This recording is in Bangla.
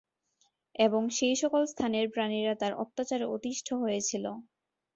এবং সেই সকল স্থানের প্রাণীরা তার অত্যাচারে অতিষ্ঠ হয়েছিল।